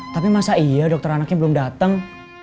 tapi masa iya dokter anaknya belum datang